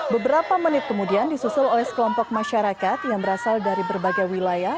beberapa menit kemudian disusul oleh sekelompok masyarakat yang berasal dari berbagai wilayah